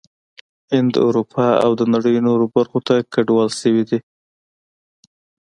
هند، اروپا او د نړۍ نورو برخو ته کډوال شوي دي